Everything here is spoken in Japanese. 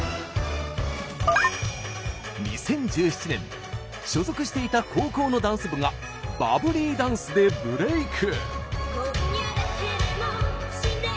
２０１７年所属していた高校のダンス部がバブリーダンスでブレイク。